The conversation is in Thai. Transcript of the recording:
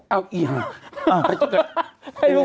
อ๋อเอ้าอีห่าไปทุกพัก